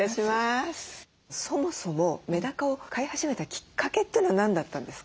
そもそもメダカを飼い始めたきっかけというのは何だったんですか？